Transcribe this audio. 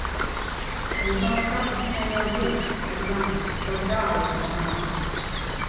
Nu tāds kaps viņai jau būs, tad gan. Pat zāle uz tā neaugs.